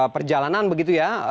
perjalanan begitu ya